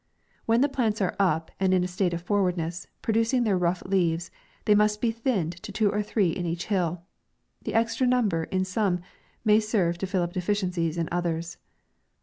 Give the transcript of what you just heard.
" When the plants are up, and in a state of forwardness, producing their rough leaves, they must be thinned to two or three in each hill ; the extra number in some may serve to fill up defrciences in others.